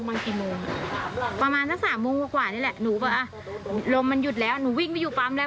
ลมมันหยุดแล้วหนูวิ่งไปอยู่ปั๊มแล้ว